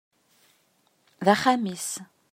D axxam-is.